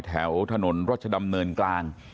แถวถนนรัชดำเนินกลาง